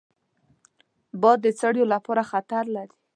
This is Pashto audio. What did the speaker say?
باد د څړیو لپاره خطر لري